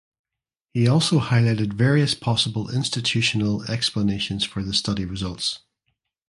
He also highlighted various possible institutional explanations for the study results.